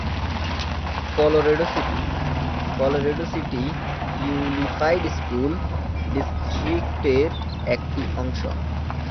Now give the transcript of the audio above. Colorado City Colorado City unified school ডিস্ট্রিক্টের একটি অংশ।